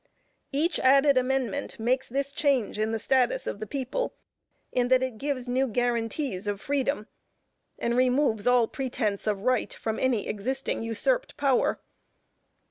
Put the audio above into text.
Each added amendment makes this change in the status of the People, in that it gives new guaranties of freedom, and removes all pretense of right from any existing usurped power.